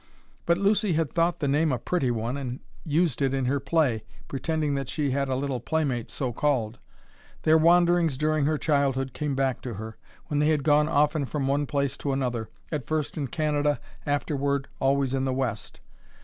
But Lucy had thought the name a pretty one and used it in her play, pretending that she had a little playmate so called. Their wanderings during her childhood came back to her, when they had gone often from one place to another, at first in Canada, afterward always in the West.